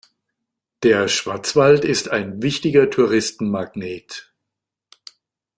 Der Schwarzwald ist ein wichtiger Touristenmagnet.